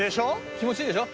気持ちいいでしょ？